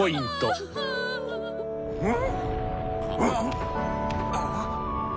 うん？